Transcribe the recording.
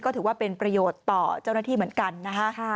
ก็ถือว่าเป็นประโยชน์ต่อเจ้าหน้าที่เหมือนกันนะคะ